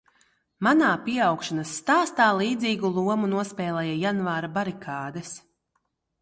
Manā pieaugšanas stāstā līdzīgu lomu nospēlēja janvāra barikādes.